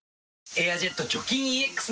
「エアジェット除菌ＥＸ」